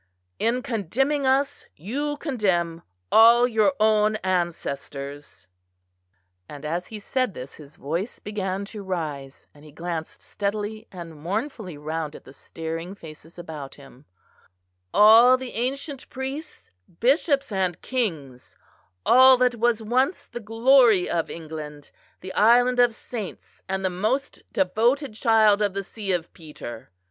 In condemning us, you condemn all your own ancestors," and as he said this, his voice began to rise, and he glanced steadily and mournfully round at the staring faces about him, "all the ancient priests, bishops, and kings all that was once the glory of England, the island of saints, and the most devoted child of the See of Peter."